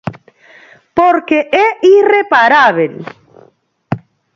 Porque é irreparábel.